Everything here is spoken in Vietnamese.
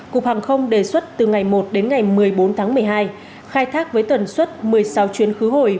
cục hàng không đề xuất từ ngày một đến ngày một mươi bốn tháng một mươi hai khai thác với tần suất một mươi sáu chuyến khứ hồi